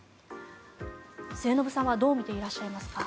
末延さんはどう見ていらっしゃいますか？